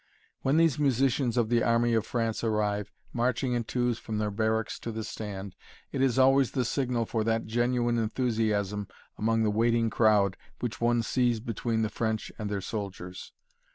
When these musicians of the army of France arrive, marching in twos from their barracks to the stand, it is always the signal for that genuine enthusiasm among the waiting crowd which one sees between the French and their soldiers.